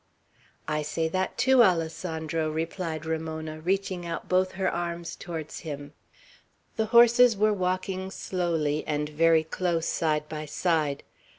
"I say that, too, Alessandro!" replied Ramona, reaching out both her arms towards him. The horses were walking slowly, and very close side by side.